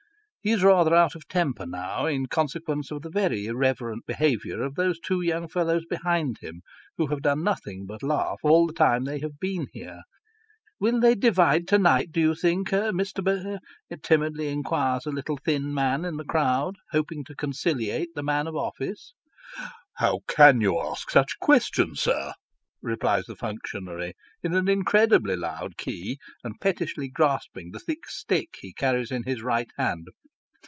Ho is rather out of temper now, in consequence of the very irreverent behaviour of those two young fellows behind him, who have done nothing but laugh all the time they have been here. " Will they divide to night, do you think, Mr. ?" timidly inquires a little thin man in the crowd, hoping to conciliate the man of office. " How can you ask such questions, sir ?" replies the functionary, in an incredibly loud key, and pettishly grasping the thick stick he carries in his right hand.